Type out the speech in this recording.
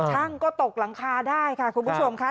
ช่างก็ตกหลังคาได้ค่ะคุณผู้ชมค่ะ